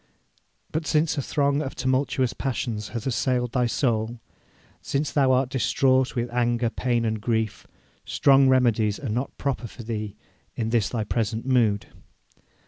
But since a throng of tumultuous passions hath assailed thy soul, since thou art distraught with anger, pain, and grief, strong remedies are not proper for thee in this thy present mood.